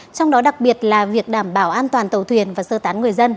trong đó đặc biệt là việc đảm bảo an toàn tàu thuyền và sơ tán người dân